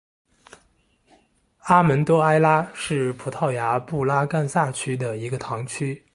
阿门多埃拉是葡萄牙布拉干萨区的一个堂区。